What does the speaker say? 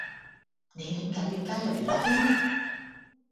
你點解要加入娛樂圈呢